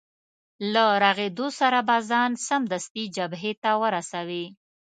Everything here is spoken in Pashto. له رغېدو سره به ځان سمدستي جبهې ته ورسوې.